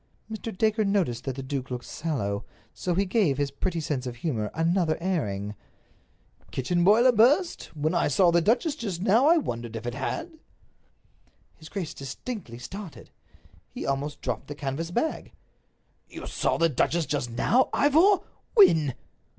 Mr. Dacre noticed that the duke looked sallow, so he gave his pretty sense of humor another airing. "Kitchen boiler burst? When I saw the duchess just now I wondered if it had." His grace distinctly started. He almost dropped the canvas bag. "You saw the duchess just now, Ivor! When?"